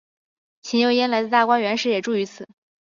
邢岫烟来大观园时也住于此。